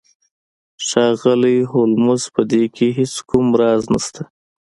ښاغلی هولمز په دې کې هیڅ کوم راز نشته